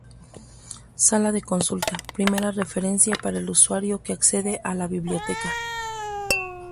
Sala de consulta: primera referencia para el usuario que accede a la biblioteca.